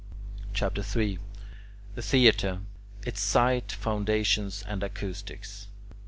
CHAPTER III THE THEATRE: ITS SITE, FOUNDATIONS AND ACOUSTICS 1.